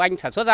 anh sản xuất ra